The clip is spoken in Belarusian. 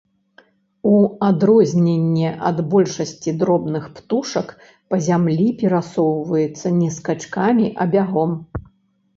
У адрозненне ад большасці дробных птушак па зямлі перасоўваецца не скачкамі, а бягом.